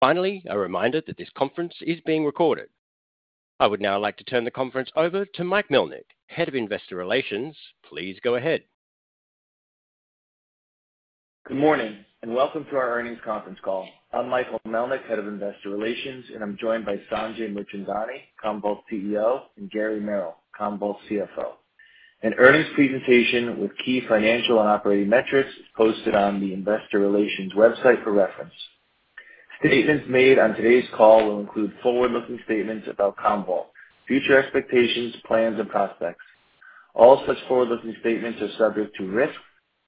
Finally, a reminder that this conference is being recorded. I would now like to turn the conference over to Mike Melnyk, Head of investor relations. Please go ahead. Good morning, and welcome to our earnings conference call. I'm Michael Melnyk, Head of Investor Relations, and I'm joined by Sanjay Mirchandani, Commvault's CEO, and Gary Merrill, Commvault's CFO. An earnings presentation with key financial and operating metrics is posted on the investor relations website for reference. Statements made on today's call will include forward-looking statements about Commvault, future expectations, plans, and prospects. All such forward-looking statements are subject to risks,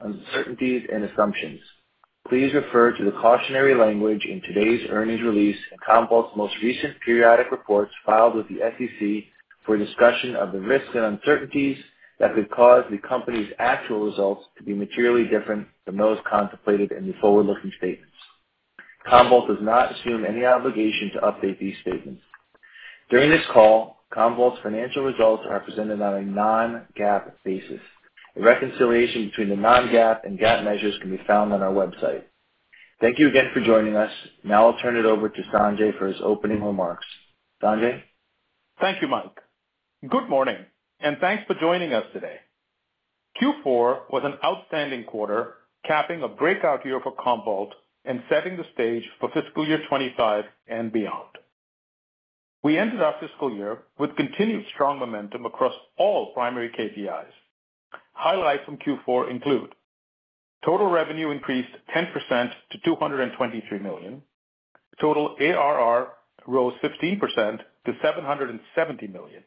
uncertainties and assumptions. Please refer to the cautionary language in today's earnings release and Commvault's most recent periodic reports filed with the SEC for a discussion of the risks and uncertainties that could cause the company's actual results to be materially different than those contemplated in the forward-looking statements. Commvault does not assume any obligation to update these statements. During this call, Commvault's financial results are presented on a non-GAAP basis. A reconciliation between the non-GAAP and GAAP measures can be found on our website. Thank you again for joining us. Now I'll turn it over to Sanjay for his opening remarks. Sanjay? Thank you, Mike. Good morning, and thanks for joining us today. Q4 was an outstanding quarter, capping a breakout year for Commvault and setting the stage for fiscal year 2025 and beyond. We ended our fiscal year with continued strong momentum across all primary KPIs. Highlights from Q4 include: Total revenue increased 10% to $223 million. Total ARR rose 15% to $770 million.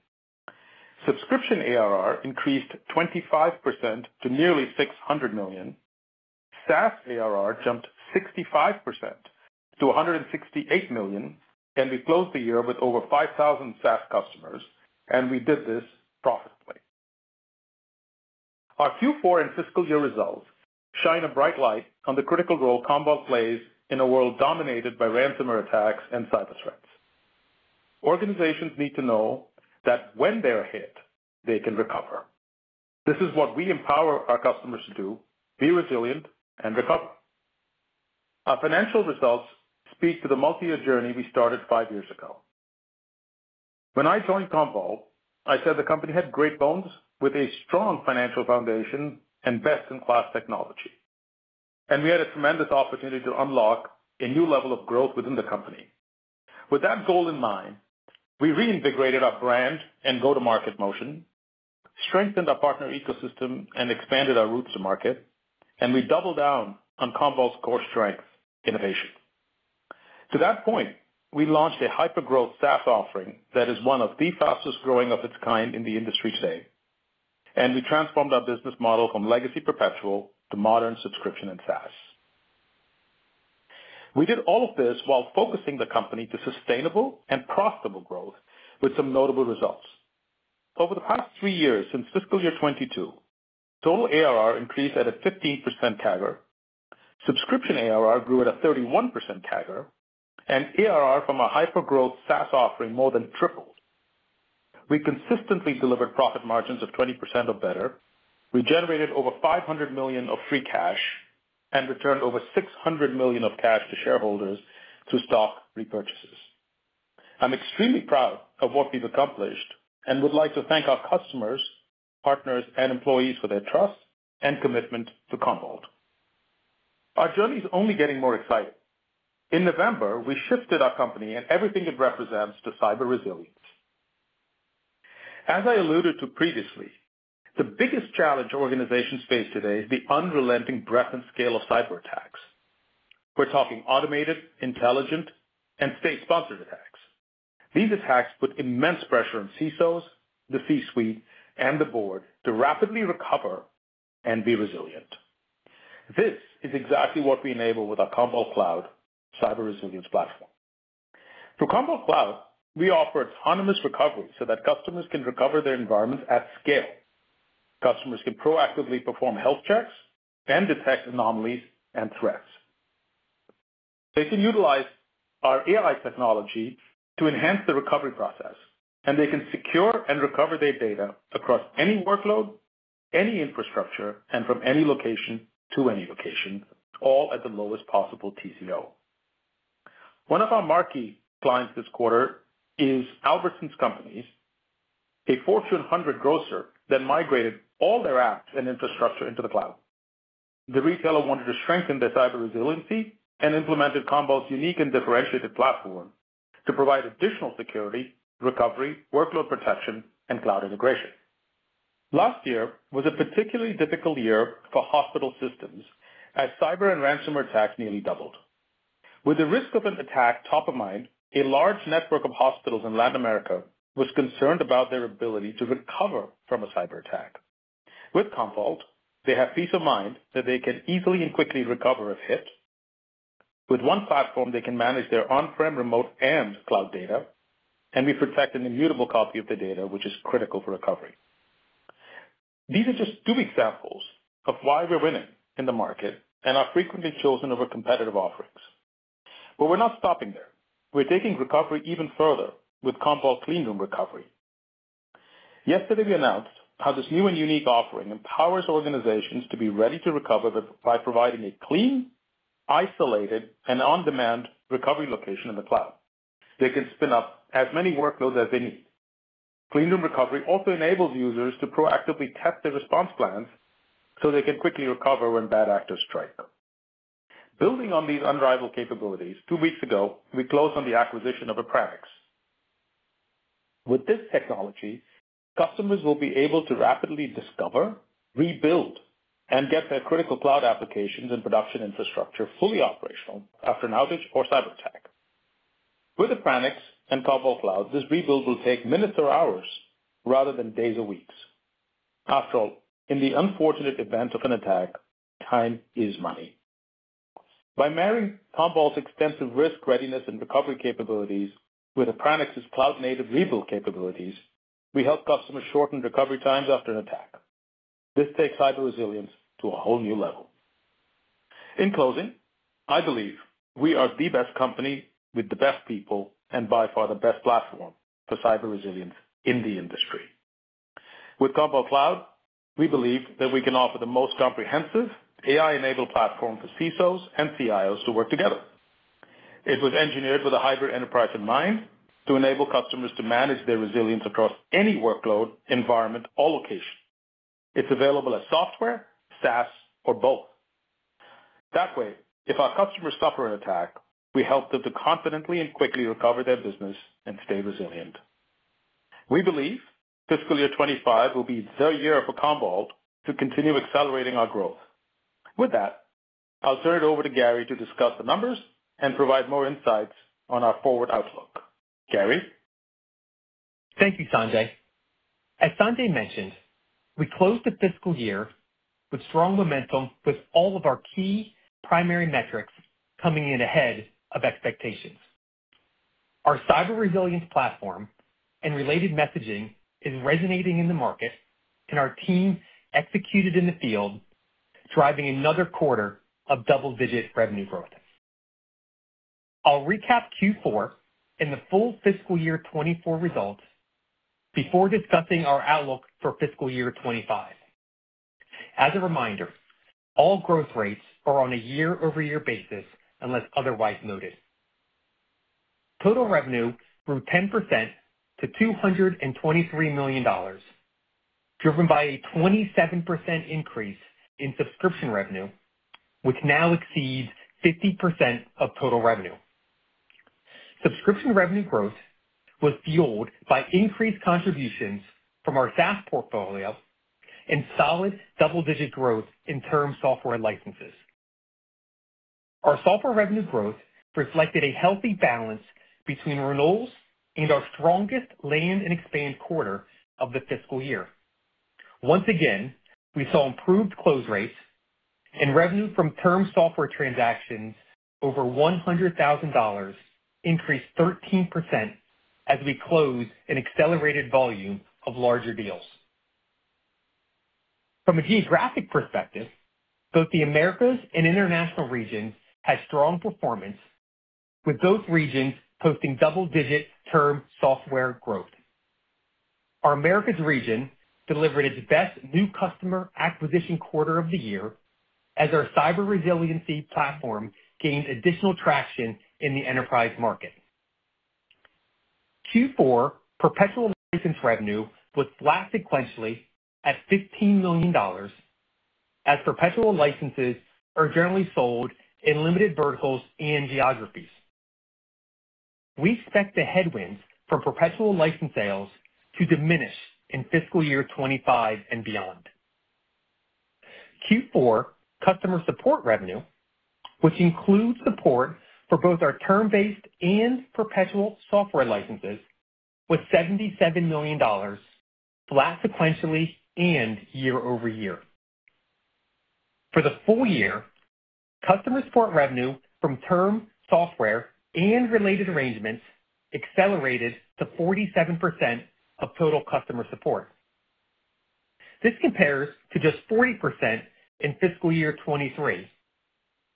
Subscription ARR increased 25% to nearly $600 million. SaaS ARR jumped 65% to $168 million, and we closed the year with over 5,000 SaaS customers, and we did this profitably. Our Q4 and fiscal year results shine a bright light on the critical role Commvault plays in a world dominated by ransomware attacks and cyber threats. Organizations need to know that when they are hit, they can recover. This is what we empower our customers to do, be resilient and recover. Our financial results speak to the multi-year journey we started five years ago. When I joined Commvault, I said the company had great bones with a strong financial foundation and best-in-class technology, and we had a tremendous opportunity to unlock a new level of growth within the company. With that goal in mind, we reinvigorated our brand and go-to-market motion, strengthened our partner ecosystem, and expanded our routes to market, and we doubled down on Commvault's core strength, innovation. To that point, we launched a hyper-growth SaaS offering that is one of the fastest-growing of its kind in the industry today, and we transformed our business model from legacy perpetual to modern subscription and SaaS. We did all of this while focusing the company to sustainable and profitable growth with some notable results. Over the past three years, since fiscal year 2022, total ARR increased at a 15% CAGR, subscription ARR grew at a 31% CAGR, and ARR from a hyper-growth SaaS offering more than tripled. We consistently delivered profit margins of 20% or better. We generated over $500 million of free cash and returned over $600 million of cash to shareholders through stock repurchases. I'm extremely proud of what we've accomplished and would like to thank our customers, partners, and employees for their trust and commitment to Commvault. Our journey is only getting more exciting. In November, we shifted our company and everything it represents to cyber resilience. As I alluded to previously, the biggest challenge organizations face today is the unrelenting breadth and scale of cyber-attacks. We're talking automated, intelligent, and state-sponsored attacks. These attacks put immense pressure on CISOs, the C-suite, and the board to rapidly recover and be resilient. This is exactly what we enable with our Commvault Cloud Cyber Resilience Platform. Through Commvault Cloud, we offer autonomous recovery so that customers can recover their environments at scale. Customers can proactively perform health checks and detect anomalies and threats. They can utilize our AI technology to enhance the recovery process, and they can secure and recover their data across any workload, any infrastructure, and from any location to any location, all at the lowest possible TCO. One of our marquee clients this quarter is Albertsons Companies, a Fortune 100 grocer that migrated all their apps and infrastructure into the cloud. The retailer wanted to strengthen their cyber resiliency and implemented Commvault's unique and differentiated platform to provide additional security, recovery, workload protection, and cloud integration. Last year was a particularly difficult year for hospital systems as cyber and ransomware attacks nearly doubled. With the risk of an attack top of mind, a large network of hospitals in Latin America was concerned about their ability to recover from a cyber-attack. With Commvault, they have peace of mind that they can easily and quickly recover a hit. With one platform, they can manage their on-prem, remote, and cloud data, and we protect an immutable copy of the data, which is critical for recovery. These are just two examples of why we're winning in the market and are frequently chosen over competitive offerings. But we're not stopping there. We're taking recovery even further with Commvault Clean Room Recovery. Yesterday, we announced how this new and unique offering empowers organizations to be ready to recover by providing a clean, isolated, and on-demand recovery location in the cloud. They can spin up as many workloads as they need. Clean Room Recovery also enables users to proactively test their response plans so they can quickly recover when bad actors strike. Building on these unrivaled capabilities, two weeks ago, we closed on the acquisition of Appranix. With this technology, customers will be able to rapidly discover, rebuild, and get their critical cloud applications and production infrastructure fully operational after an outage or cyberattack. With Appranix and Commvault Cloud, this rebuild will take minutes or hours rather than days or weeks. After all, in the unfortunate event of an attack, time is money. By marrying Commvault's extensive risk, readiness, and recovery capabilities with Appranix's cloud-native rebuild capabilities, we help customers shorten recovery times after an attack. This takes cyber resilience to a whole new level. In closing, I believe we are the best company with the best people and by far the best platform for cyber resilience in the industry. With Commvault Cloud, we believe that we can offer the most comprehensive AI-enabled platform for CISOs and CIOs to work together. It was engineered with a hybrid enterprise in mind to enable customers to manage their resilience across any workload, environment or location. It's available as software, SaaS, or both. That way, if our customers suffer an attack, we help them to confidently and quickly recover their business and stay resilient. We believe fiscal year 2025 will be the year for Commvault to continue accelerating our growth. With that, I'll turn it over to Gary to discuss the numbers and provide more insights on our forward outlook. Gary? Thank you, Sanjay. As Sanjay mentioned, we closed the fiscal year with strong momentum, with all of our key primary metrics coming in ahead of expectations. Our cyber resilience platform and related messaging is resonating in the market, and our team executed in the field, driving another quarter of double-digit revenue growth. I'll recap Q4 and the full fiscal year 2024 results before discussing our outlook for fiscal year 2025. As a reminder, all growth rates are on a year-over-year basis, unless otherwise noted. Total revenue grew 10% to $223 million, driven by a 27% increase in subscription revenue, which now exceeds 50% of total revenue. Subscription revenue growth was fueled by increased contributions from our SaaS portfolio and solid double-digit growth in term software licenses. Our software revenue growth reflected a healthy balance between renewals and our strongest land and expand quarter of the fiscal year. Once again, we saw improved close rates and revenue from term software transactions over $100,000 increased 13% as we closed an accelerated volume of larger deals. From a geographic perspective, both the Americas and international regions had strong performance, with those regions posting double-digit term software growth. Our Americas region delivered its best new customer acquisition quarter of the year as our cyber resiliency platform gained additional traction in the enterprise market. Q4 perpetual license revenue was flat sequentially at $15 million, as perpetual licenses are generally sold in limited verticals and geographies. We expect the headwinds for perpetual license sales to diminish in fiscal year 2025 and beyond. Q4 customer support revenue, which includes support for both our term-based and perpetual software licenses, was $77 million, flat sequentially and year-over-year. For the full year, customer support revenue from term software and related arrangements accelerated to 47% of total customer support. This compares to just 40% in fiscal year 2023,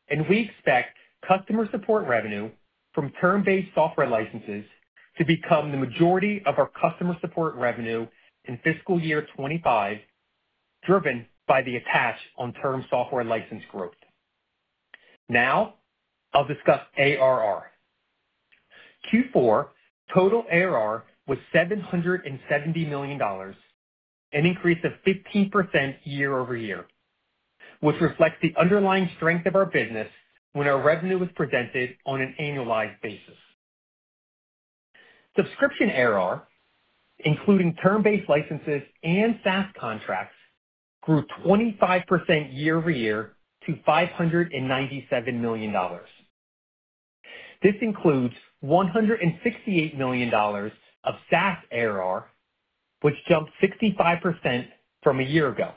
and we expect customer support revenue from term-based software licenses to become the majority of our customer support revenue in fiscal year 2025, driven by the attach on term software license growth. Now I'll discuss ARR. Q4 total ARR was $770 million, an increase of 15% year-over-year, which reflects the underlying strength of our business when our revenue is presented on an annualized basis. Subscription ARR, including term-based licenses and SaaS contracts, grew 25% year-over-year to $597 million. This includes $168 million of SaaS ARR, which jumped 65% from a year ago.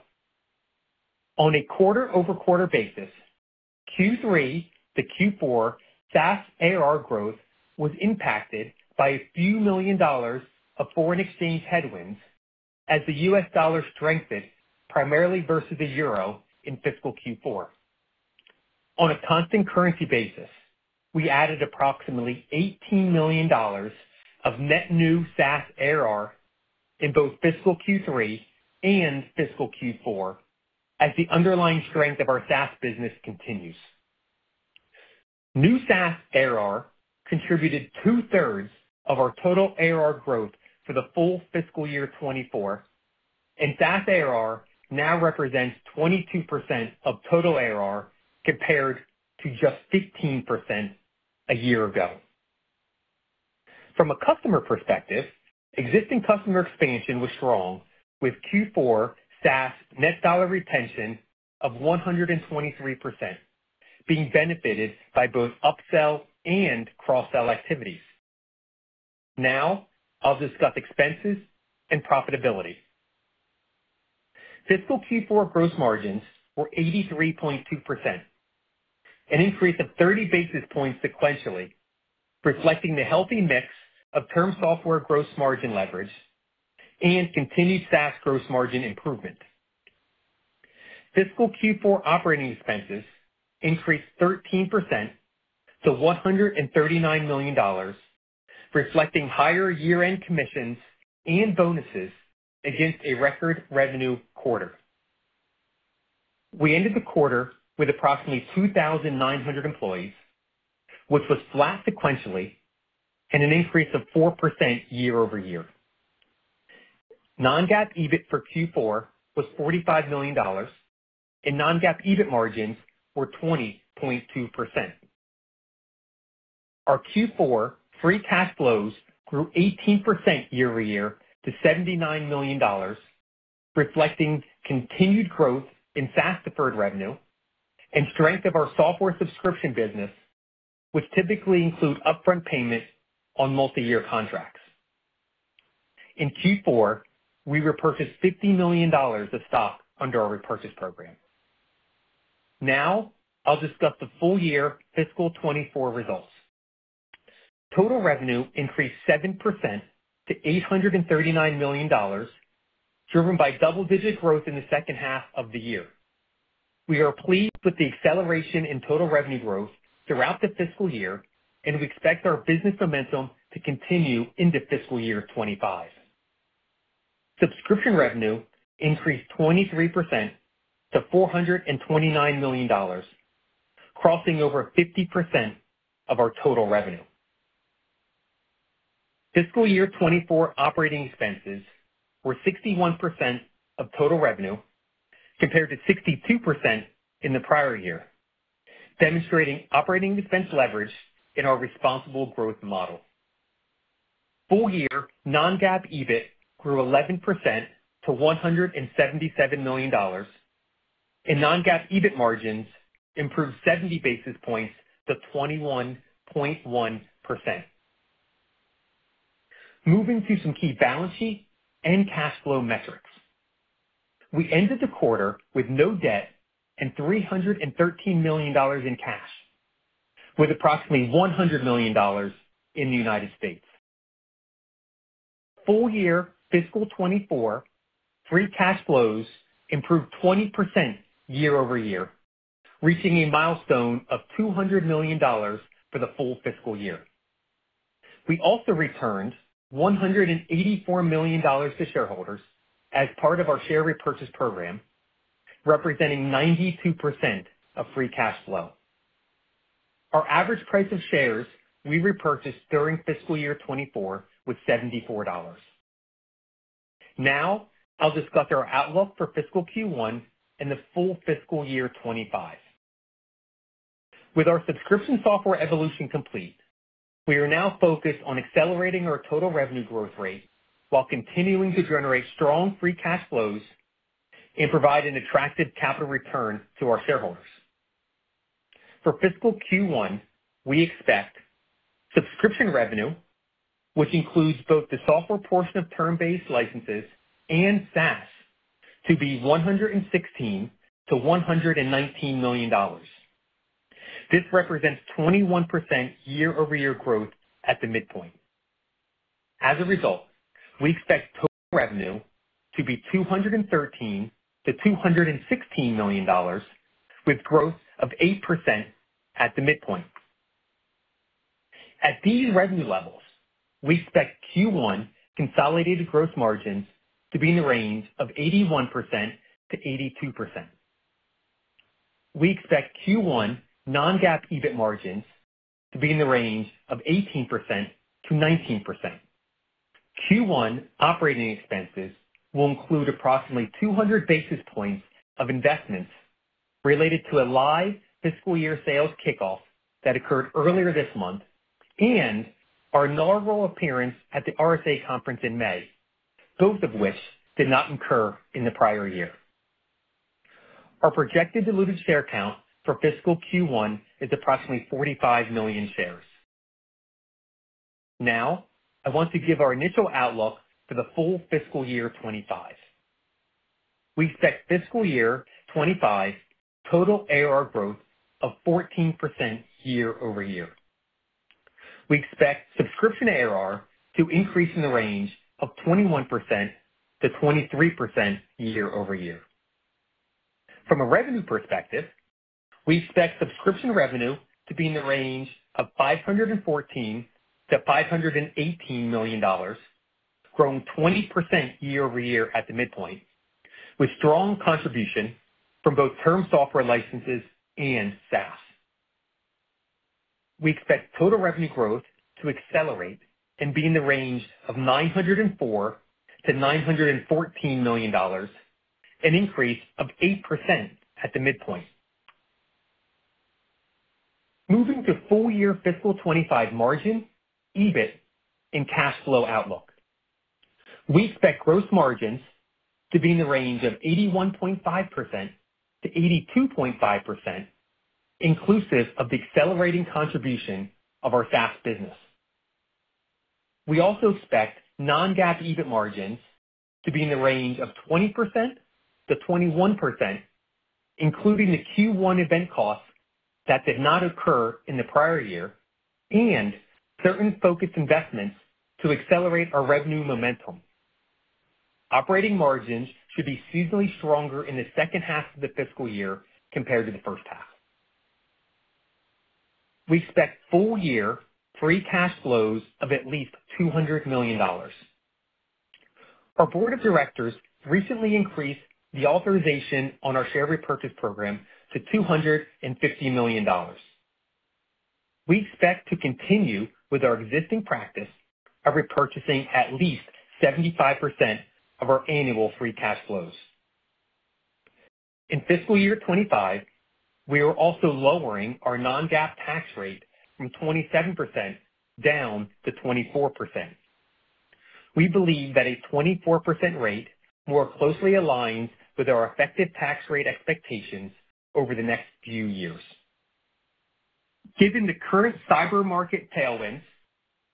On a quarter-over-quarter basis, Q3 to Q4, SaaS ARR growth was impacted by a few million dollars of foreign exchange headwinds as the US dollar strengthened, primarily versus the euro, in fiscal Q4. On a constant currency basis, we added approximately $18 million of net new SaaS ARR in both fiscal Q3 and fiscal Q4, as the underlying strength of our SaaS business continues. New SaaS ARR contributed two-thirds of our total ARR growth for the full fiscal year 2024, and SaaS ARR now represents 22% of total ARR, compared to just 15% a year ago. From a customer perspective, existing customer expansion was strong, with Q4 SaaS net dollar retention of 123%, being benefited by both upsell and cross-sell activities. Now I'll discuss expenses and profitability. Fiscal Q4 gross margins were 83.2%, an increase of 30 basis points sequentially, reflecting the healthy mix of term software gross margin leverage and continued SaaS gross margin improvement. Fiscal Q4 operating expenses increased 13% to $139 million, reflecting higher year-end commissions and bonuses against a record revenue quarter. We ended the quarter with approximately 2,900 employees, which was flat sequentially and an increase of 4% year-over-year. Non-GAAP EBIT for Q4 was $45 million, and non-GAAP EBIT margins were 20.2%. Our Q4 free cash flows grew 18% year-over-year to $79 million, reflecting continued growth in SaaS deferred revenue and strength of our software subscription business, which typically include upfront payment on multiyear contracts. In Q4, we repurchased $50 million of stock under our repurchase program. Now I'll discuss the full year fiscal 2024 results. Total revenue increased 7% to $839 million, driven by double-digit growth in the second half of the year. We are pleased with the acceleration in total revenue growth throughout the fiscal year, and we expect our business momentum to continue into fiscal year 2025. Subscription revenue increased 23% to $429 million, crossing over 50% of our total revenue. Fiscal year 2024 operating expenses were 61% of total revenue, compared to 62% in the prior year, demonstrating operating expense leverage in our responsible growth model. Full year non-GAAP EBIT grew 11% to $177 million, and non-GAAP EBIT margins improved 70 basis points to 21.1%. Moving to some key balance sheet and cash flow metrics. We ended the quarter with no debt and $313 million in cash, with approximately $100 million in the United States. Full year fiscal 2024, free cash flows improved 20% year-over-year, reaching a milestone of $200 million for the full fiscal year. We also returned $184 million to shareholders as part of our share repurchase program, representing 92% of free cash flow. Our average price of shares we repurchased during fiscal year 2024 was $74. Now I'll discuss our outlook for fiscal Q1 and the full fiscal year 2025. With our subscription software evolution complete, we are now focused on accelerating our total revenue growth rate while continuing to generate strong free cash flows and provide an attractive capital return to our shareholders. For fiscal Q1, we expect subscription revenue, which includes both the software portion of term-based licenses and SaaS, to be $116 million-$119 million. This represents 21% year-over-year growth at the midpoint. As a result, we expect total revenue to be $213 million-$216 million, with growth of 8% at the midpoint. At these revenue levels, we expect Q1 consolidated gross margins to be in the range of 81%-82%. We expect Q1 non-GAAP EBIT margins to be in the range of 18%-19%. Q1 operating expenses will include approximately 200 basis points of investments related to a live fiscal year sales kickoff that occurred earlier this month and our inaugural appearance at the RSA Conference in May, both of which did not incur in the prior year. Our projected diluted share count for fiscal Q1 is approximately $45 million shares. Now, I want to give our initial outlook for the full fiscal year 2025. We expect fiscal year 2025 total ARR growth of 14% year-over-year. We expect subscription ARR to increase in the range of 21%-23% year-over-year. From a revenue perspective, we expect subscription revenue to be in the range of $514 million-$518 million, growing 20% year-over-year at the midpoint, with strong contribution from both term software licenses and SaaS. We expect total revenue growth to accelerate and be in the range of $904 million-$914 million, an increase of 8% at the midpoint. Moving to full year fiscal 2025 margin, EBIT, and cash flow outlook. We expect gross margins to be in the range of 81.5%-82.5%, inclusive of the accelerating contribution of our SaaS business. We also expect non-GAAP EBIT margins to be in the range of 20%-21%, including the Q1 event costs that did not occur in the prior year and certain focused investments to accelerate our revenue momentum. Operating margins should be seasonally stronger in the second half of the fiscal year compared to the first half. We expect full year free cash flows of at least $200 million. Our board of directors recently increased the authorization on our share repurchase program to $250 million. We expect to continue with our existing practice of repurchasing at least 75% of our annual free cash flows. In fiscal year 2025, we are also lowering our non-GAAP tax rate from 27% down to 24%. We believe that a 24% rate more closely aligns with our effective tax rate expectations over the next few years. Given the current cyber market tailwinds,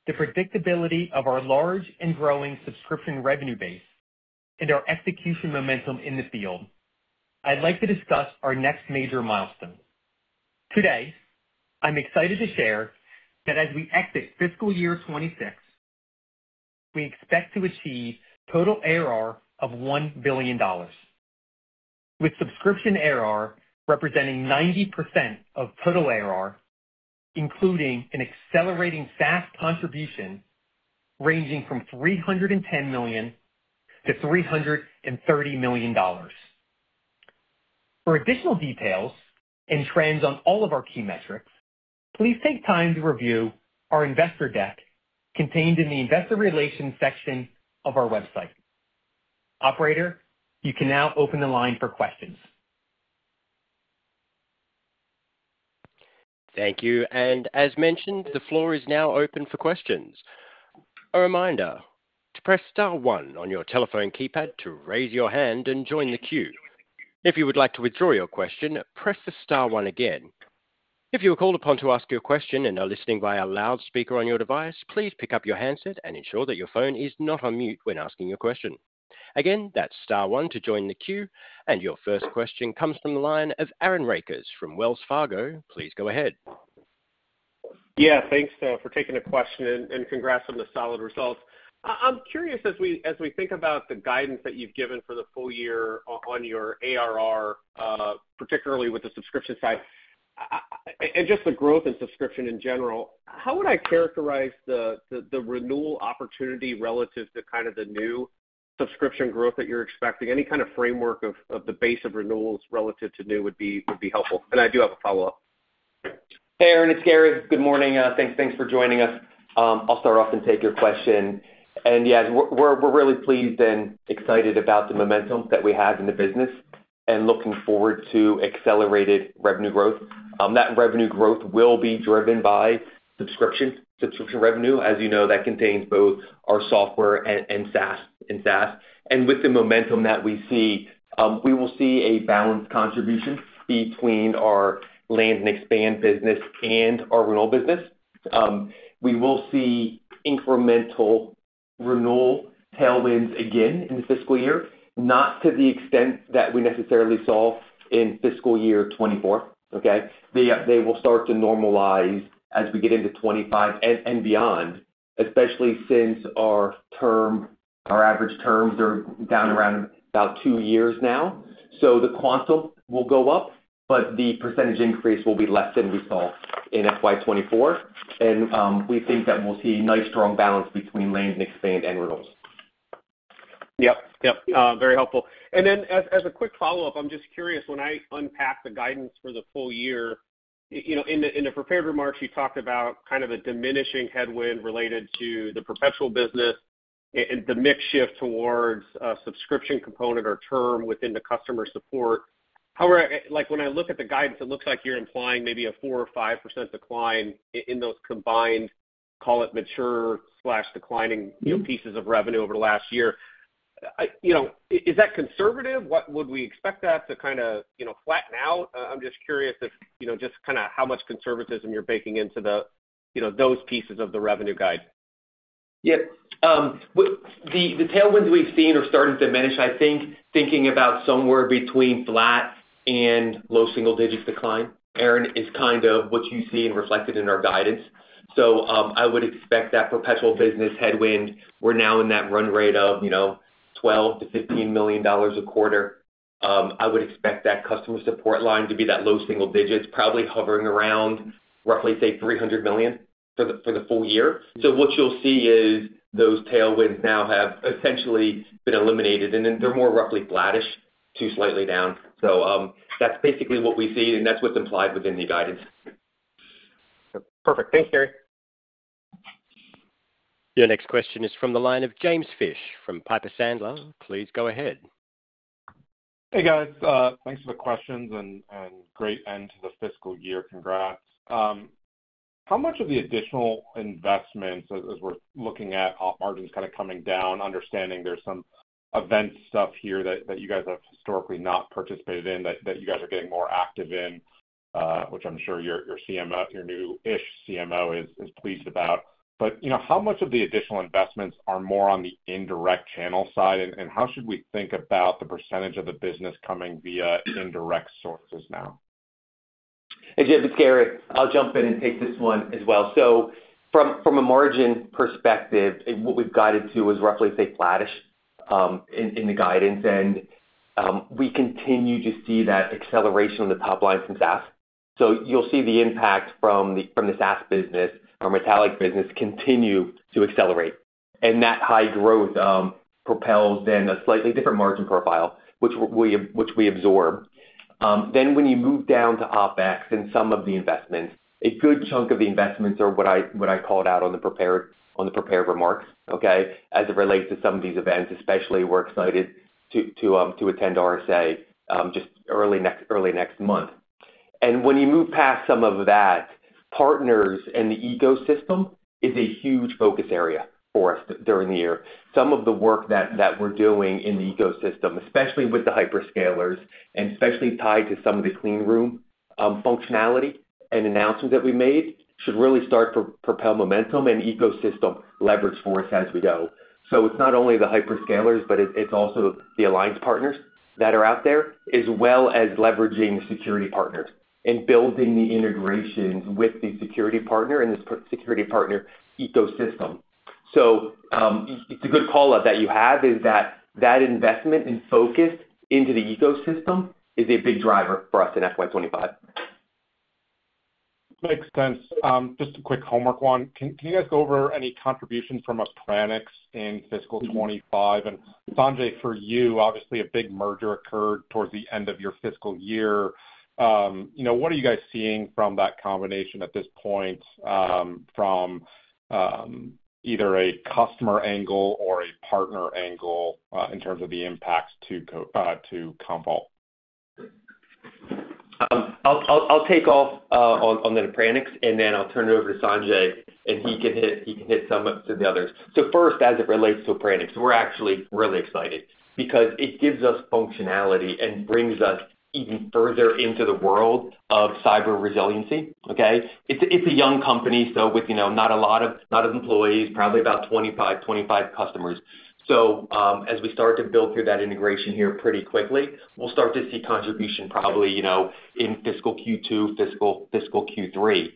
the predictability of our large and growing subscription revenue base, and our execution momentum in the field, I'd like to discuss our next major milestone. Today, I'm excited to share that as we exit fiscal year 2026, we expect to achieve total ARR of $1 billion, with subscription ARR representing 90% of total ARR, including an accelerating SaaS contribution ranging from $310 million to $330 million. For additional details and trends on all of our key metrics, please take time to review our investor deck contained in the Investor Relations section of our website. Operator, you can now open the line for questions. Thank you. As mentioned, the floor is now open for questions. A reminder to press star one on your telephone keypad to raise your hand and join the queue. If you would like to withdraw your question, press the star one again. If you are called upon to ask your question and are listening via loudspeaker on your device, please pick up your handset and ensure that your phone is not on mute when asking your question. Again, that's star one to join the queue, and your first question comes from the line of Aaron Rakers from Wells Fargo. Please go ahead. Yeah, thanks for taking the question, and congrats on the solid results. I'm curious, as we think about the guidance that you've given for the full year on your ARR, particularly with the subscription side, and just the growth in subscription in general, how would I characterize the renewal opportunity relative to kind of the new subscription growth that you're expecting? Any kind of framework of the base of renewals relative to new would be helpful. And I do have a follow-up. Hey, Aaron, it's Gary. Good morning. Thanks for joining us. I'll start off and take your question. Yes, we're really pleased and excited about the momentum that we have in the business and looking forward to accelerated revenue growth. That revenue growth will be driven by subscription revenue. As you know, that contains both our software and SaaS. With the momentum that we see, we will see a balanced contribution between our land and expand business and our renewal business. We will see incremental renewal tailwinds again in the fiscal year, not to the extent that we necessarily saw in fiscal year 2024, okay? They will start to normalize as we get into 2025 and beyond, especially since our term, our average terms are down around about two years now. The quantwill go up, but the percentage increase will be less than we saw in FY 2024. We think that we'll see a nice, strong balance between land and expand and renewals. Yep. Yep, very helpful. And then as a quick follow-up, I'm just curious, when I unpack the guidance for the full year, you know, in the prepared remarks, you talked about kind of a diminishing headwind related to the perpetual business and the mid-shift towards a subscription component or term within the customer support. However, like, when I look at the guidance, it looks like you're implying maybe a 4% or 5% decline in those combined, call it mature/declining, you know, pieces of revenue over the last year. You know, is that conservative? What would we expect that to kinda, you know, flatten out? I'm just curious if, you know, just kinda how much conservatism you're baking into the, you know, those pieces of the revenue guide?... Yep. What, the tailwinds we've seen are starting to diminish. I think thinking about somewhere between flat and low single digits decline, Aaron, is kind of what you see and reflected in our guidance. So, I would expect that perpetual business headwind, we're now in that run rate of, you know, $12 million-$15 million a quarter. I would expect that customer support line to be that low single digits, probably hovering around roughly, say, $300 million for the full year. So what you'll see is those tailwinds now have essentially been eliminated, and then they're more roughly flattish to slightly down. So, that's basically what we see, and that's what's implied within the guidance. Perfect. Thanks, Gary. Your next question is from the line of James Fish from Piper Sandler. Please go ahead. Hey, guys. Thanks for the questions and great end to the fiscal year. Congrats. How much of the additional investments, as we're looking at op margins kind of coming down, understanding there's some event stuff here that you guys have historically not participated in, that you guys are getting more active in, which I'm sure your new-ish CMO is pleased about. But, you know, how much of the additional investments are more on the indirect channel side, and how should we think about the percentage of the business coming via indirect sources now? Hey, James, it's Gary. I'll jump in and take this one as well. So from a margin perspective, and what we've guided to is roughly, say, flattish in the guidance. And we continue to see that acceleration on the top line from SaaS. So you'll see the impact from the SaaS business, our Metallic business, continue to accelerate. And that high growth propels then a slightly different margin profile, which we absorb. Then when you move down to OpEx and some of the investments, a good chunk of the investments are what I called out on the prepared remarks, okay? As it relates to some of these events, especially, we're excited to attend RSA just early next month. When you move past some of that, partners and the ecosystem is a huge focus area for us during the year. Some of the work that we're doing in the ecosystem, especially with the hyperscalers and especially tied to some of the Clean Room Functionality and announcements that we made, should really start to propel momentum and ecosystem leverage for us as we go. So it's not only the hyperscalers, but it's also the alliance partners that are out there, as well as leveraging security partners and building the integrations with the security partner and the security partner ecosystem. So it's a good call out that you have, is that that investment and focus into the ecosystem is a big driver for us in FY 2025. Makes sense. Just a quick homework one. Can you guys go over any contribution from Appranix in fiscal 2025? And Sanjay, for you, obviously, a big merger occurred towards the end of your fiscal year. You know, what are you guys seeing from that combination at this point, from either a customer angle or a partner angle, in terms of the impact to Commvault? I'll take off on the Appranix, and then I'll turn it over to Sanjay, and he can hit some of the others. So first, as it relates to Appranix, we're actually really excited because it gives us functionality and brings us even further into the world of cyber resiliency, okay? It's a young company, so with, you know, not a lot of employees, probably about 25, 25 customers. So, as we start to build through that integration here pretty quickly, we'll start to see contribution probably, you know, in fiscal Q2, fiscal Q3.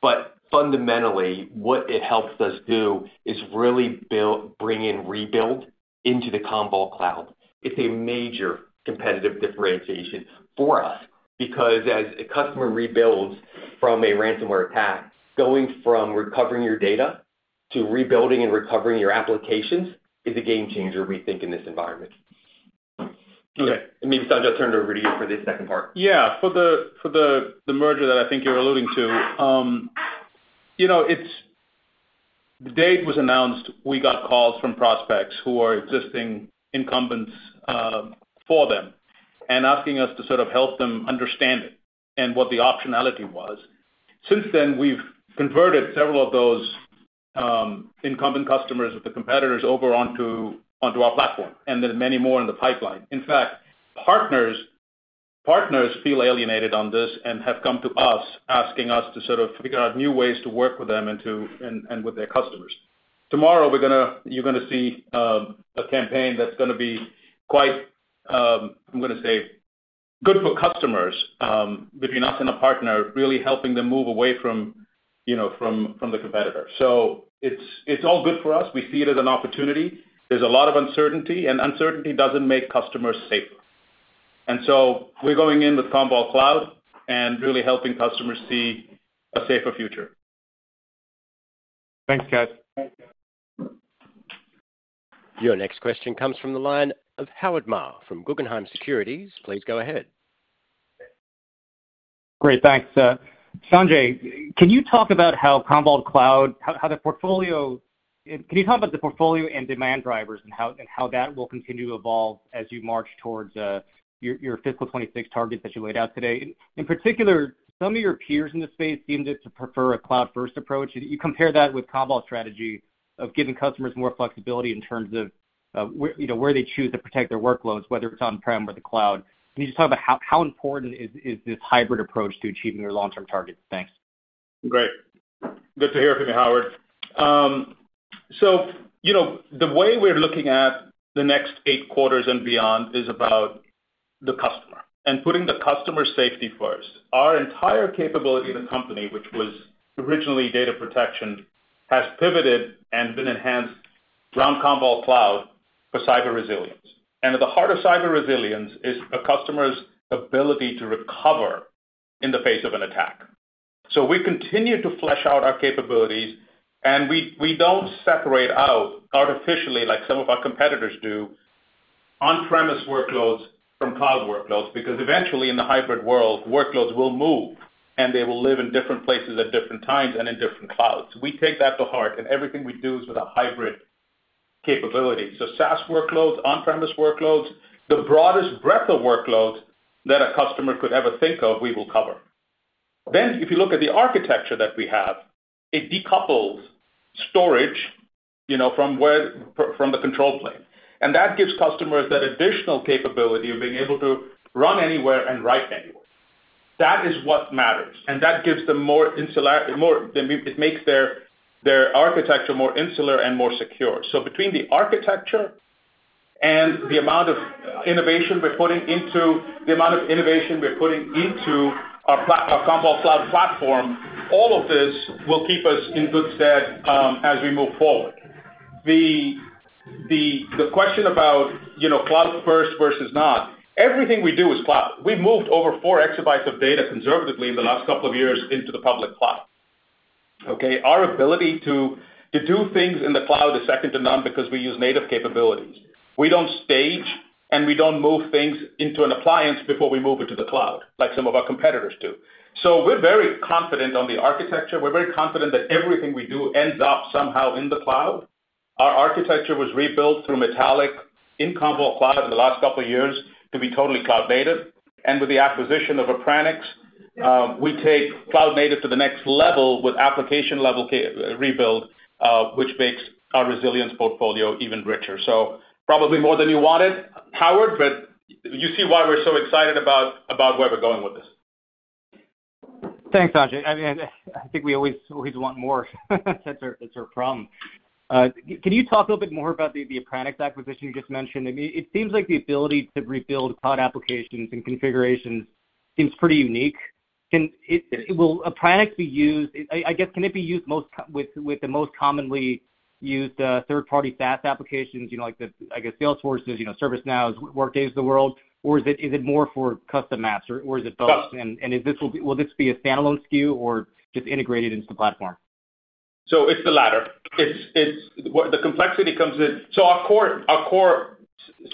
But fundamentally, what it helps us do is really build—bring in rebuild into the Commvault Cloud. It's a major competitive differentiation for us because as a customer rebuilds from a ransomware attack, going from recovering your data to rebuilding and recovering your applications is a game changer, we think, in this environment. Okay, maybe, Sanjay, I'll turn it over to you for the second part. Yeah. For the merger that I think you're alluding to, you know, it's... The date was announced, we got calls from prospects who are existing incumbents for them and asking us to sort of help them understand it and what the optionality was. Since then, we've converted several of those incumbent customers with the competitors over onto our platform, and there are many more in the pipeline. In fact, partners feel alienated on this and have come to us, asking us to sort of figure out new ways to work with them and to and with their customers. Tomorrow, we're gonna you're gonna see a campaign that's gonna be quite, I'm gonna say, good for customers, between us and a partner, really helping them move away from, you know, from the competitor. So it's all good for us. We see it as an opportunity. There's a lot of uncertainty, and uncertainty doesn't make customers safer. And so we're going in with Commvault Cloud and really helping customers see a safer future. Thanks, guys. Your next question comes from the line of Howard Ma from Guggenheim Securities. Please go ahead. Great, thanks. Sanjay, can you talk about how Commvault Cloud. How the portfolio can you talk about the portfolio and demand drivers and how that will continue to evolve as you march towards your fiscal 2026 targets that you laid out today? In particular, some of your peers in this space seemed to prefer a cloud-first approach. You compare that with Commvault's strategy of giving customers more flexibility in terms of where, you know, where they choose to protect their workloads, whether it's on-prem or the cloud. Can you just talk about how important is this hybrid approach to achieving your long-term targets? Thanks. Great. Good to hear from you, Howard. So, you know, the way we're looking at the next eight quarters and beyond is about the customer and putting the customer's safety first. Our entire capability in the company, which was originally data protection, has pivoted and been enhanced around Commvault Cloud for cyber resilience. And at the heart of cyber resilience is a customer's ability to recover in the face of an attack. So we continue to flesh out our capabilities, and we don't separate out artificially, like some of our competitors do, on-premise workloads from cloud workloads, because eventually in the hybrid world, workloads will move, and they will live in different places at different times and in different clouds. We take that to heart, and everything we do is with a hybrid capability. So SaaS workloads, on-premise workloads, the broadest breadth of workloads that a customer could ever think of, we will cover. Then, if you look at the architecture that we have, it decouples storage, you know, from the control plane. And that gives customers that additional capability of being able to run anywhere and write anywhere. That is what matters, and that gives them more insular. It makes their architecture more insular and more secure. So between the architecture and the amount of innovation we're putting into, the amount of innovation we're putting into our Commvault Cloud platform, all of this will keep us in good stead as we move forward. The question about, you know, cloud first versus not, everything we do is cloud. We've moved over four exabytes of data conservatively in the last couple of years into the public cloud, okay? Our ability to do things in the cloud is second to none because we use native capabilities. We don't stage, and we don't move things into an appliance before we move it to the cloud, like some of our competitors do. So we're very confident on the architecture. We're very confident that everything we do ends up somehow in the cloud. Our architecture was rebuilt through Metallic in Commvault Cloud over the last couple of years to be totally cloud native. And with the acquisition of Appranix, we take cloud native to the next level with application-level rebuild, which makes our resilience portfolio even richer. So probably more than you wanted, Howard, but you see why we're so excited about where we're going with this. Thanks, Sanjay. I mean, I think we always want more. That's our problem. Can you talk a little bit more about the Appranix acquisition you just mentioned? I mean, it seems like the ability to rebuild cloud applications and configurations seems pretty unique. Can it be used with the most commonly used third-party SaaS applications, you know, like the Salesforces, ServiceNows, Workdays of the world, or is it more for custom apps, or is it both? Both. Will this be a standalone SKU or just integrated into the platform? So it's the latter. The complexity comes in. So our core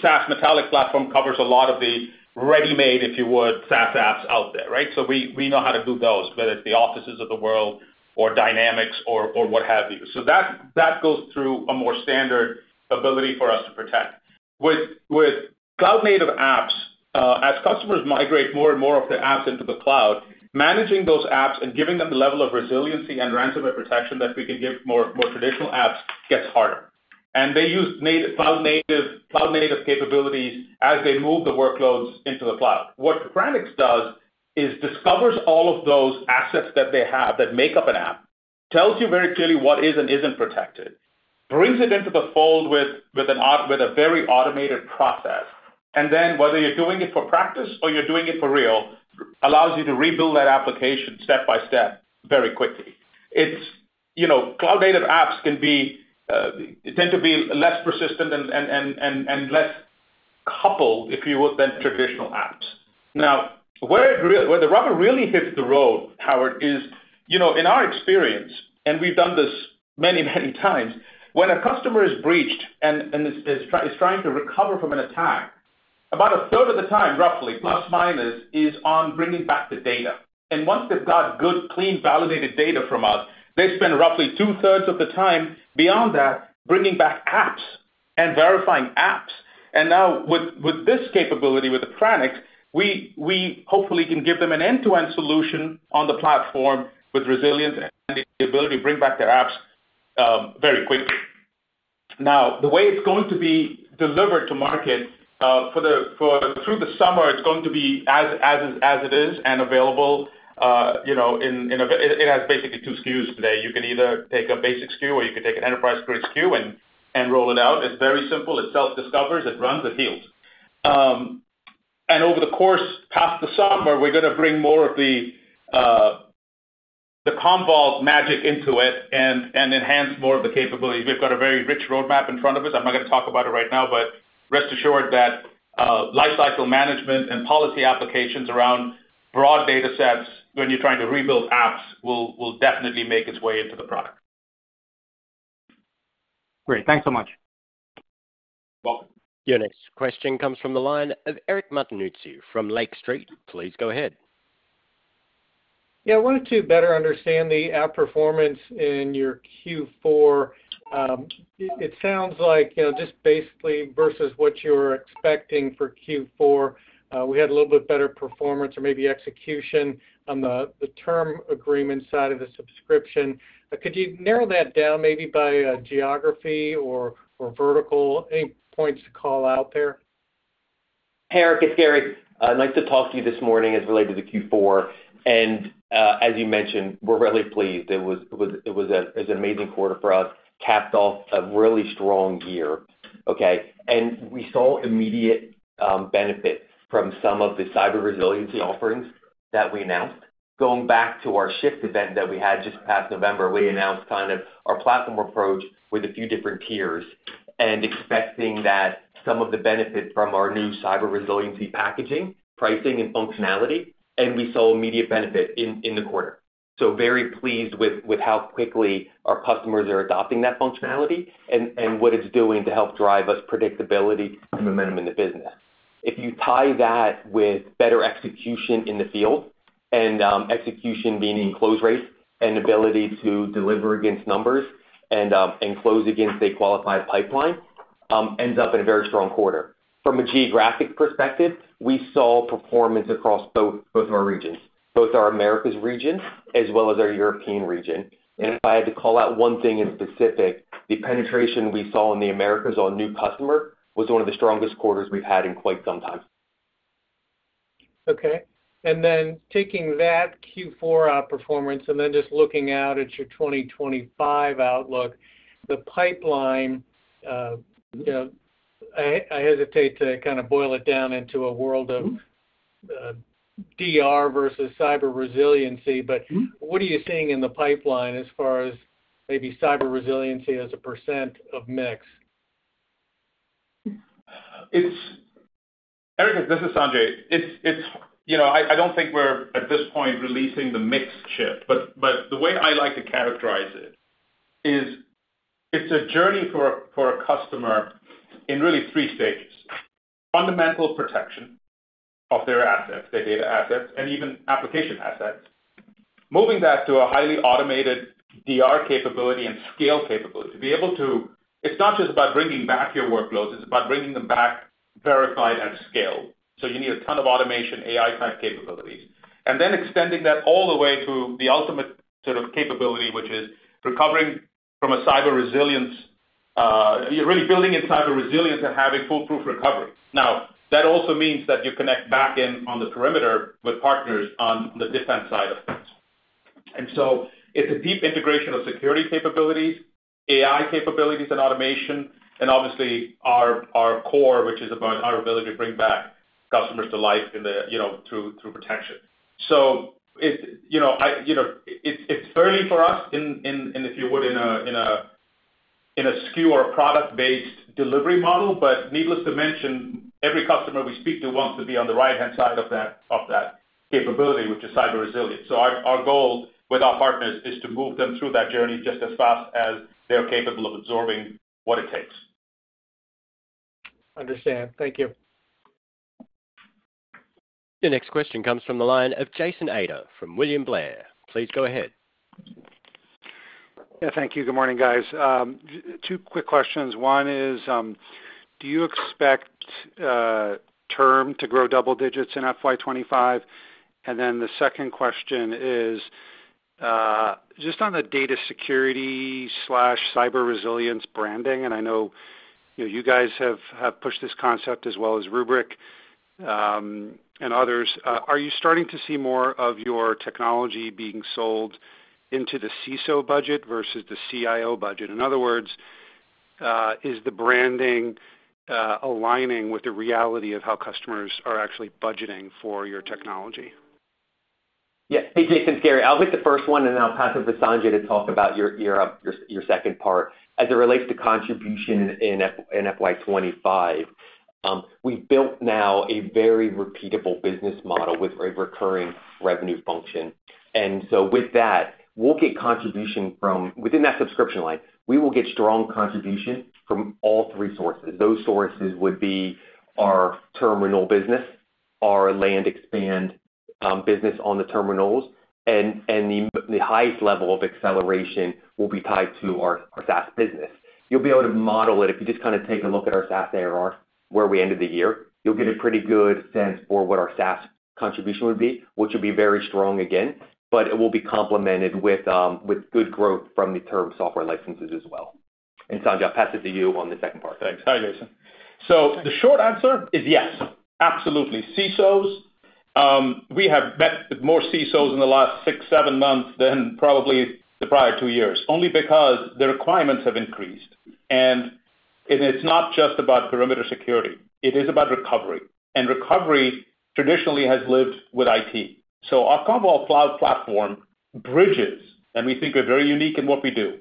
SaaS Metallic platform covers a lot of the ready-made, if you would, SaaS apps out there, right? So we know how to do those, whether it's the Offices of the world or Dynamics or what have you. So that goes through a more standard ability for us to protect. With cloud-native apps, as customers migrate more and more of their apps into the cloud, managing those apps and giving them the level of resiliency and ransomware protection that we can give more traditional apps gets harder. And they use cloud-native capabilities as they move the workloads into the cloud. What Appranix does is discovers all of those assets that they have that make up an app, tells you very clearly what is and isn't protected, brings it into the fold with a very automated process, and then whether you're doing it for practice or you're doing it for real, allows you to rebuild that application step by step very quickly. It's... You know, cloud-native apps can be, tend to be less persistent and less coupled, if you would, than traditional apps. Now, where the rubber really hits the road, Howard, is, you know, in our experience, and we've done this many, many times, when a customer is breached and is trying to recover from an attack, about a third of the time, roughly, plus or minus, is on bringing back the data. Once they've got good, clean, validated data from us, they spend roughly two-thirds of the time beyond that, bringing back apps and verifying apps. Now with this capability, with Appranix, we hopefully can give them an end-to-end solution on the platform with resilience and the ability to bring back their apps very quickly. Now, the way it's going to be delivered to market through the summer, it's going to be as it is and available, you know. It has basically two SKUs today. You can either take a basic SKU, or you can take an enterprise-grade SKU and roll it out. It's very simple. It self-discovers, it runs, it heals. And over the course past the summer, we're going to bring more of the the Commvault magic into it and enhance more of the capability. We've got a very rich roadmap in front of us. I'm not going to talk about it right now, but rest assured that lifecycle management and policy applications around broad data sets when you're trying to rebuild apps will definitely make its way into the product. Great. Thanks so much. Welcome. Your next question comes from the line of Eric Martinuzzi from Lake Street. Please go ahead. Yeah, I wanted to better understand the app performance in your Q4. It sounds like, you know, just basically versus what you were expecting for Q4, we had a little bit better performance or maybe execution on the term agreement side of the subscription. Could you narrow that down maybe by geography or vertical? Any points to call out there?... Hey, Eric, it's Gary. I'd like to talk to you this morning as it related to Q4. And, as you mentioned, we're really pleased. It was an amazing quarter for us, capped off a really strong year, okay? And we saw immediate benefit from some of the cyber resiliency offerings that we announced. Going back to our shift event that we had just past November, we announced kind of our platform approach with a few different peers and expecting that some of the benefits from our new cyber resiliency packaging, pricing, and functionality, and we saw immediate benefit in the quarter. So very pleased with how quickly our customers are adopting that functionality and what it's doing to help drive us predictability and momentum in the business. If you tie that with better execution in the field, and execution being in close rate and ability to deliver against numbers, and close against a qualified pipeline, ends up in a very strong quarter. From a geographic perspective, we saw performance across both our regions, both our Americas region as well as our European region. If I had to call out one thing in specific, the penetration we saw in the Americas on new customer was one of the strongest quarters we've had in quite some time. Okay, and then taking that Q4 outperformance and then just looking out at your 2025 outlook, the pipeline, you know, I, I hesitate to kind of boil it down into a world of- Mm-hmm... DR versus cyber resiliency, but- Mm-hmm What are you seeing in the pipeline as far as maybe cyber resiliency as a percent of mix? It's Eric, this is Sanjay. It's, you know, I don't think we're, at this point, releasing the mix shift, but the way I like to characterize it is, it's a journey for a customer in really three stages. Fundamental protection of their assets, their data assets, and even application assets. Moving that to a highly automated DR capability and scale capability to be able to... It's not just about bringing back your workloads, it's about bringing them back verified at scale. So you need a ton of automation, AI-type capabilities. And then extending that all the way to the ultimate sort of capability, which is recovering from a cyber resilience, really building in cyber resilience and having foolproof recovery. Now, that also means that you connect back in on the perimeter with partners on the defense side of things. And so it's a deep integration of security capabilities, AI capabilities and automation, and obviously our core, which is about our ability to bring back customers to life in the, you know, through protection. So it, you know, it's early for us in, if you would, in a SKU or a product-based delivery model, but needless to mention, every customer we speak to wants to be on the right-hand side of that capability, which is cyber resilience. So our goal with our partners is to move them through that journey just as fast as they're capable of absorbing what it takes. Understand. Thank you. The next question comes from the line of Jason Ader from William Blair. Please go ahead. Yeah, thank you. Good morning, guys. Two quick questions. One is, do you expect term to grow double digits in FY 25? And then the second question is, just on the data security/cyber resilience branding, and I know, you know, you guys have pushed this concept as well as Rubrik and others, are you starting to see more of your technology being sold into the CISO budget versus the CIO budget? In other words, is the branding aligning with the reality of how customers are actually budgeting for your technology? Yeah. Hey, Jason, it's Gary. I'll take the first one, and then I'll pass it to Sanjay to talk about your second part. As it relates to contribution in FY 25, we've built now a very repeatable business model with a recurring revenue function. And so with that, we'll get contribution from within that subscription line, we will get strong contribution from all three sources. Those sources would be our term renewal business, our land expand business on the terminals, and the highest level of acceleration will be tied to our SaaS business. You'll be able to model it if you just kind of take a look at our SaaS ARR, where we ended the year. You'll get a pretty good sense for what our SaaS contribution would be, which will be very strong again, but it will be complemented with, with good growth from the term software licenses as well. And Sanjay, I'll pass it to you on the second part. Thanks. Hi, Jason. So the short answer is yes, absolutely. CISOs, we have met with more CISOs in the last 6-7 months than probably the prior 2 years, only because the requirements have increased. It's not just about perimeter security, it is about recovery, and recovery traditionally has lived with IT. So our Commvault Cloud platform bridges, and we think are very unique in what we do,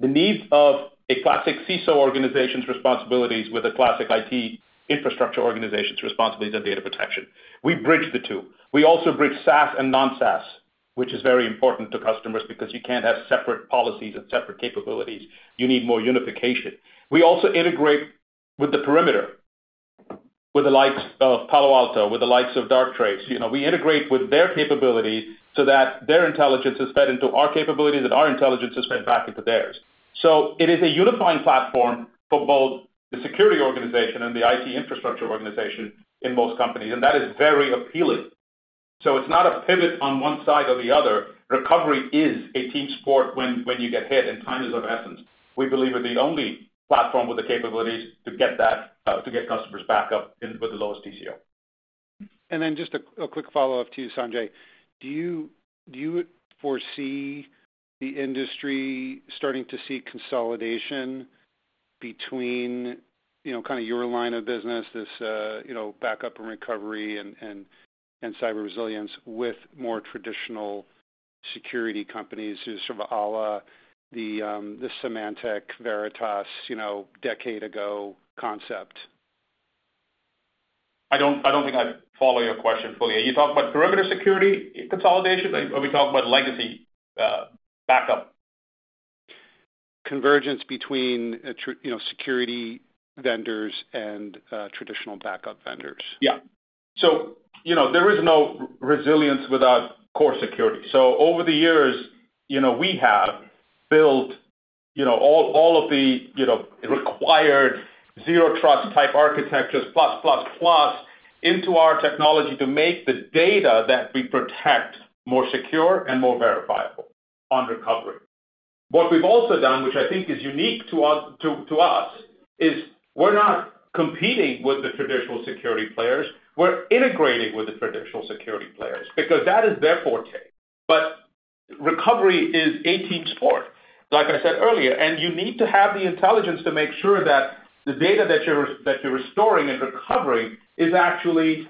the needs of a classic CISO organization's responsibilities with a classic IT infrastructure organization's responsibilities and data protection. We bridge the two. We also bridge SaaS and non-SaaS, which is very important to customers because you can't have separate policies and separate capabilities. You need more unification. We also integrate with the perimeter, with the likes of Palo Alto, with the likes of Darktrace. You know, we integrate with their capabilities so that their intelligence is fed into our capabilities and our intelligence is fed back into theirs. So it is a unifying platform for both the security organization and the IT infrastructure organization in most companies, and that is very appealing... So it's not a pivot on one side or the other. Recovery is a team sport when you get hit, and time is of essence. We believe we're the only platform with the capabilities to get that, to get customers back up in with the lowest TCO. And then just a quick follow-up to you, Sanjay. Do you foresee the industry starting to see consolidation between, you know, kind of your line of business, this you know, backup and recovery and cyber resilience with more traditional security companies who's sort of à la the Symantec, Veritas, you know, decade ago concept? I don't, I don't think I follow your question fully. Are you talking about perimeter security consolidation, or are we talking about legacy backup? Convergence between, you know, security vendors and traditional backup vendors. Yeah. So, you know, there is no resilience without core security. So over the years, you know, we have built, you know, all, all of the, you know, required zero trust type architectures plus, plus, plus into our technology to make the data that we protect more secure and more verifiable on recovery. What we've also done, which I think is unique to us, to, to us, is we're not competing with the traditional security players, we're integrating with the traditional security players, because that is their forte. But recovery is a team sport, like I said earlier, and you need to have the intelligence to make sure that the data that you're, that you're restoring and recovering is actually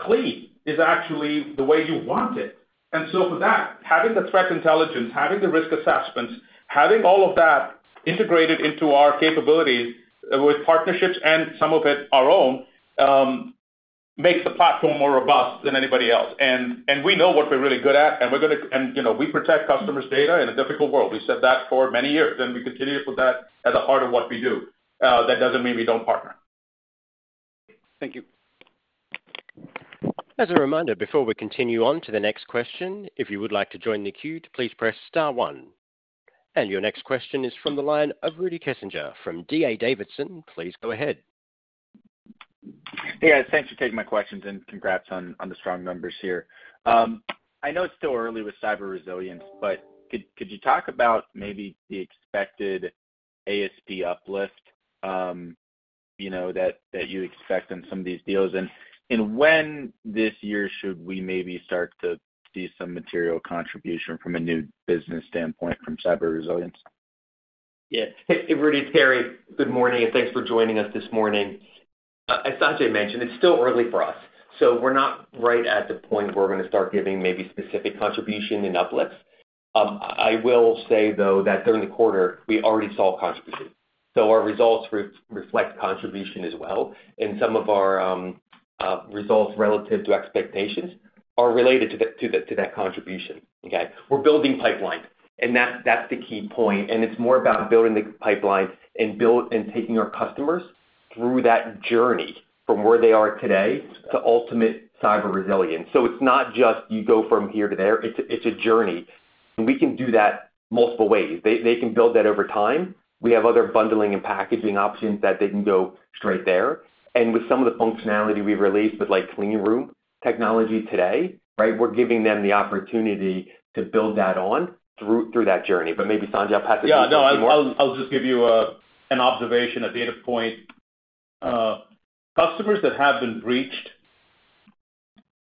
clean, is actually the way you want it. And so for that, having the threat intelligence, having the risk assessments, having all of that integrated into our capabilities with partnerships and some of it our own, makes the platform more robust than anybody else. And we know what we're really good at, and we're gonna, and, you know, we protect customers' data in a difficult world. We've said that for many years, and we continue to put that at the heart of what we do. That doesn't mean we don't partner. Thank you. As a reminder, before we continue on to the next question, if you would like to join the queue, please press star one. Your next question is from the line of Rudy Kessinger from D.A. Davidson. Please go ahead. Hey, guys. Thanks for taking my questions, and congrats on the strong numbers here. I know it's still early with cyber resilience, but could you talk about maybe the expected ASP uplift, you know, that you expect on some of these deals? And when this year should we maybe start to see some material contribution from a new business standpoint from cyber resilience? Yeah. Hey, Rudy, it's Gary. Good morning, and thanks for joining us this morning. As Sanjay mentioned, it's still early for us, so we're not right at the point where we're going to start giving maybe specific contribution and uplifts. I will say, though, that during the quarter, we already saw contribution, so our results reflect contribution as well, and some of our results relative to expectations are related to that contribution. Okay? We're building pipeline, and that's the key point, and it's more about building the pipeline and taking our customers through that journey from where they are today to ultimate cyber resilience. So it's not just you go from here to there, it's a journey, and we can do that multiple ways. They can build that over time. We have other bundling and packaging options that they can go straight there. And with some of the functionality we've released, with, like, Clean Room technology today, right? We're giving them the opportunity to build that on through, through that journey. But maybe Sanjay will have to give you more- Yeah, no, I'll, I'll just give you an observation, a data point. Customers that have been breached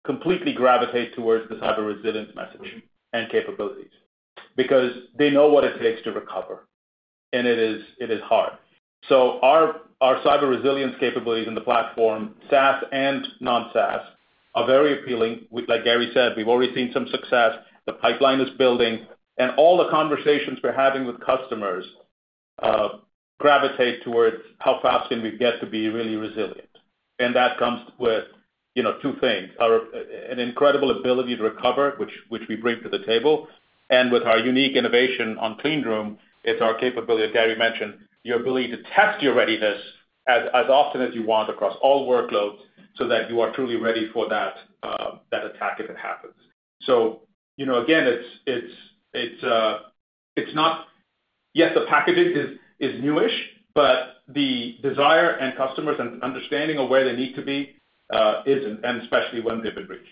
completely gravitate towards the cyber resilience message and capabilities because they know what it takes to recover, and it is, it is hard. So our, our cyber resilience capabilities in the platform, SaaS and non-SaaS, are very appealing. With, like Gary said, we've already seen some success. The pipeline is building, and all the conversations we're having with customers gravitate towards how fast can we get to be really resilient. And that comes with, you know, two things, an incredible ability to recover, which we bring to the table, and with our unique innovation on clean room, it's our capability, as Gary mentioned, your ability to test your readiness as often as you want across all workloads, so that you are truly ready for that, that attack if it happens. So, you know, again, it's not... Yes, the packaging is newish, but the desire and customers and understanding of where they need to be, isn't, and especially when they've been breached.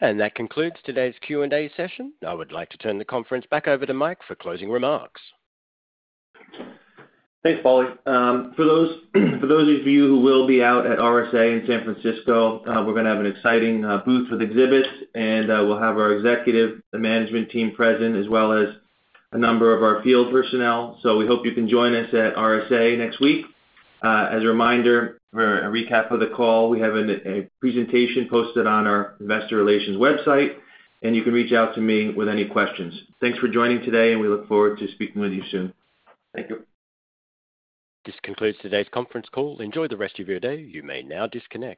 That concludes today's Q&A session. I would like to turn the conference back over to Mike for closing remarks. Thanks, Polly. For those, for those of you who will be out at RSA in San Francisco, we're gonna have an exciting booth with exhibits, and we'll have our executive and management team present, as well as a number of our field personnel. So we hope you can join us at RSA next week. As a reminder, for a recap of the call, we have a presentation posted on our investor relations website, and you can reach out to me with any questions. Thanks for joining today, and we look forward to speaking with you soon. Thank you. This concludes today's conference call. Enjoy the rest of your day. You may now disconnect.